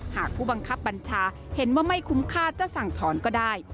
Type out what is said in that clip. หากผู้บังคับบัญชาเห็นว่าไม่คุ้มค่าจะสั่งถอนก็ได้